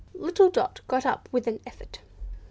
Little Dot got up with an effort.